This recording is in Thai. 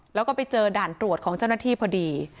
แล้วก็ไปเจอด่านตรวจของเจ้าหน้าที่พอดี